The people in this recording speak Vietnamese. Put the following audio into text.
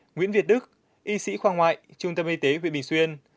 nguyễn việt đức y sĩ khoa ngoại trung tâm y tế huyện bình xuyên